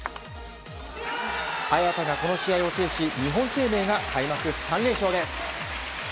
早田がこの試合を制し日本生命が開幕３連勝です。